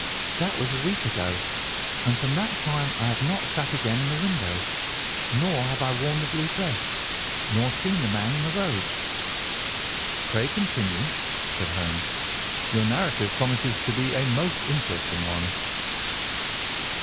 That was a week ago, and from that time I have not sat again in the window, nor have I worn the blue dress, nor seen the man in the road." "Pray continue," said Holmes. "Your narrative promises to be a most interesting one."